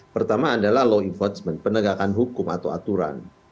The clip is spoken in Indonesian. pertama adalah law enforcement penegakan hukum atau aturan